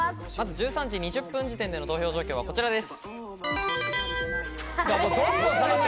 １３時２０分時点での投票状況はこちらです。